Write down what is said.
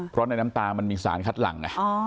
เพราะในน้ำตามันมีสารคัดหลังไง